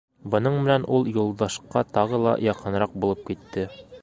Бының менән ул Юлдашҡа тағы ла яҡыныраҡ булып китте.